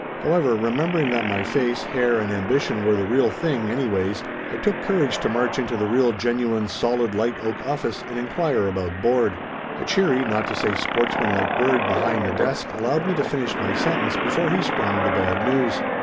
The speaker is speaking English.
However, remembering that my face, hair and ambition were the real thing, any ways, I took courage to march into the real genuine solid light oak office and inquire about board. A cheery, not to say sportsmanlike bird behind the desk allowed me to finish my sentence before he sprung the bad news.